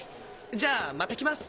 じゃあまた来ます！